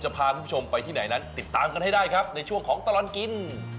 พาคุณผู้ชมไปที่ไหนนั้นติดตามกันให้ได้ครับในช่วงของตลอดกิน